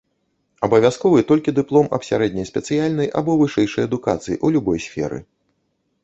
Абавязковы толькі дыплом аб сярэдняй спецыяльнай або вышэйшай адукацыі ў любой сферы.